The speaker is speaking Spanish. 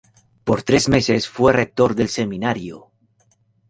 Por tres meses fue rector del seminario.